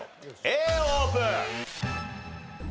Ａオープン！